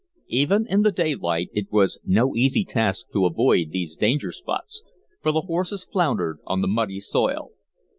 Even in the daylight it was no easy task to avoid these danger spots, for the horses floundered on the muddy soil.